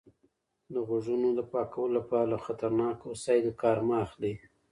د غوږونو د پاکولو لپاره له خطرناکو وسایلو کار مه اخلئ.